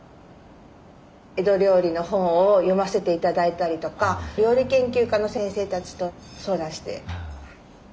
江戸料理の本を読ませて頂いたりとか料理研究家の先生たちと相談して。